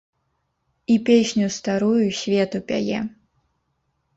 І песню старую свету пяе.